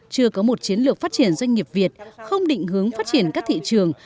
chưa có một chiến lược phát triển doanh nghiệp việt không định hướng phát triển các thị trường